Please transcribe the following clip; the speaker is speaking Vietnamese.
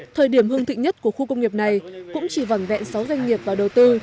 thời điểm hương thịnh nhất của khu công nghiệp này cũng chỉ vòn vẹn sáu doanh nghiệp vào đầu tư